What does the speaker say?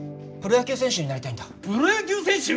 プロ野球選手？